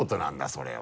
それは。